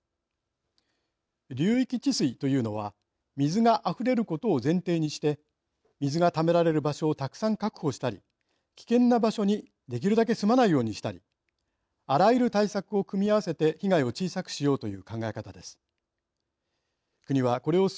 流域治水というのは水があふれることを前提にして水がためられる場所をたくさん確保したり危険な場所にできるだけ住まないようにしたりあらゆる対策を組み合わせて被害を小さくしようという考え方です。